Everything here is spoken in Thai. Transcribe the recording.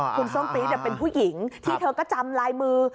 คุณส้มตี๊ดเป็นผู้หญิงที่เธอก็จำลายมือ